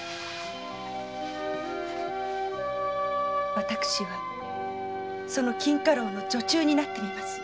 私はその錦花楼の女中になってみます。